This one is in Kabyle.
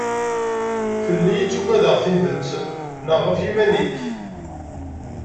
Fell-i i tuggadeḍ s tidet neɣ ɣef yiman-ik?